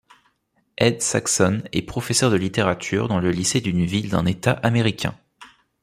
Ed Saxon est professeur de littérature dans le lycée d'une ville d'un État américain.